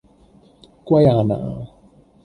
圭亞那